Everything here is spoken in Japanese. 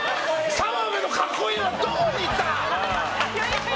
澤部の格好いい！はどこに行った！